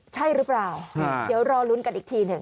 ใช่หรือเปล่าเดี๋ยวรอลุ้นกันอีกทีหนึ่ง